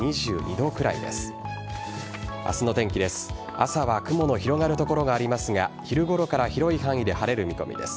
朝は雲の広がる所がありますがお昼ごろから広い範囲で晴れる見込みです。